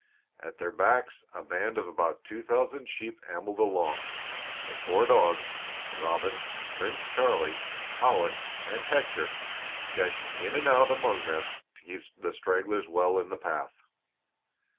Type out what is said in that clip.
At their backs a band of about two thousand sheep ambled along, the four dogs, Robin, Prince Charlie, Colin, and Hector, dashing in and out among them to keep the stragglers well in the path.